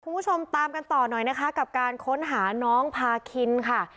คุณผู้ชมตามกันต่อหน่อยนะคะกับการค้นหาน้องพาคินค่ะ